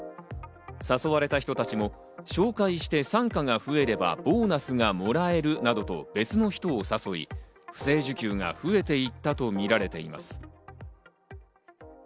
誘われた人たちも紹介して傘下が増えればボーナスがもらえるなどと別の人を誘い、不正受給が増えていったとみられています。